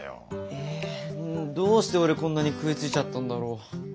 えどうして俺こんなに食いついちゃったんだろう？